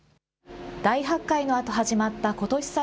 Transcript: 大発会のあと始まったことし